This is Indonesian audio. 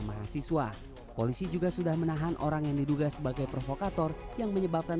mahasiswa polisi juga sudah menahan orang yang diduga sebagai provokator yang menyebabkan